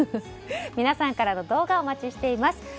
皆さんからの動画をお待ちしています。